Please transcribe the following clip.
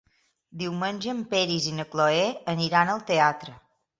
Diumenge en Peris i na Cloè aniran al teatre.